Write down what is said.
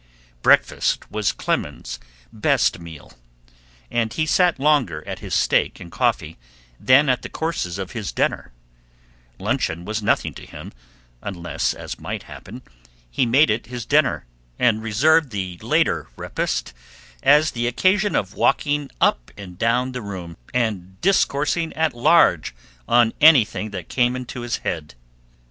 Breakfast was Clemens's best meal, and he sat longer at his steak and coffee than at the courses of his dinner; luncheon was nothing to him, unless, as might happen, he made it his dinner, and reserved the later repast as the occasion of walking up and down the room, and discoursing at large on anything that came into his head.